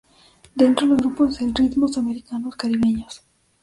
Dentro los grupo del ritmos americanos caribeños